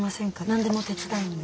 何でも手伝うんで。